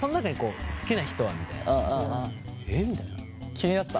気になった？